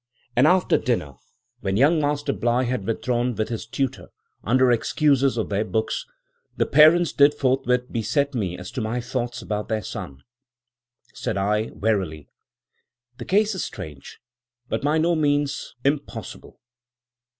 After dinner, when young Master Bligh had withdrawn with his tutor, under excuse of their books, the parents did forthwith beset me as to my thoughts about their son. Said I, warily, 'The case is strange, but by no means impossible.